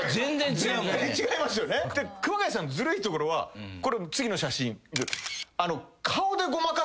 熊谷さんずるいところはこれの次の写真。